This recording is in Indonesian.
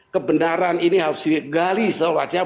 kebenaran ini harus digali seolah olah